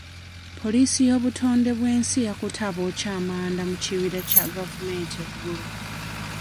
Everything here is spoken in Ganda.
Poliisi y'obutondebwensi yakutte abookya amanda mu kibira kya gavumenti eggulo.